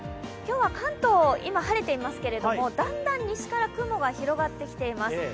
今日は関東、今晴れていますけれども、だんだん西から雲が広がってきています。